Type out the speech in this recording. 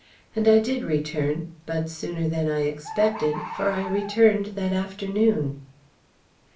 And I did return, but sooner than I expected, for I returned that afternoon.